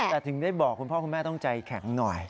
แต่ถึงได้บอกคุณพ่อคุณแม่ต้องใจแข็งหน่อย